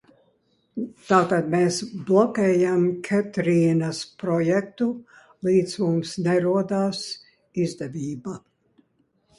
Tātad mēs bloķējam Ketrīnas projektu līdz mums nerodas izdevība?